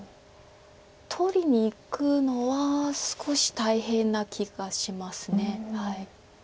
取りにいくのは少し大変な気がします。